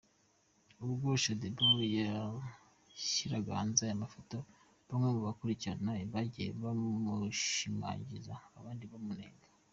Ubwo Shadyboo yashyiraga hanze aya mafoto bamwe mu bamukurikira bagiye bamushimagiza , abandi bamunenga.